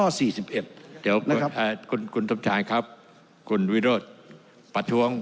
เดี๋ยวคุณสมชายครับคุณวิโรธประท้วง